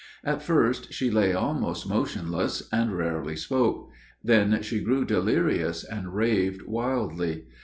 At first she lay almost motionless, and rarely spoke; then she grew delirious, and raved wildly.